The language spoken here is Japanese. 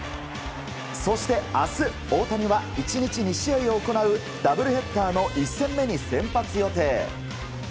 そして明日、大谷は１日２試合を行うダブルヘッダーの１戦目に先発予定。